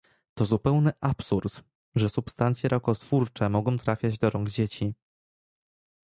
To zupełny absurd, że substancje rakotwórcze mogą trafiać do rąk dzieci